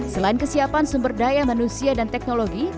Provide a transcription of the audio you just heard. selain kesiapan sumber daya manusia dan teknologi